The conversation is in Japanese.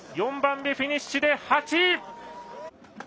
４番でフィニッシュで８位。